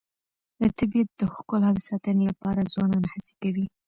د طبیعت د ښکلا د ساتنې لپاره ځوانان هڅې کوي.